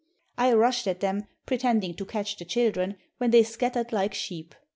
I rushed at them, pretending to catch the children, when they scattered like sheep.